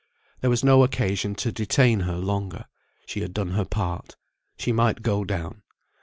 There was no occasion to detain her longer; she had done her part. She might go down.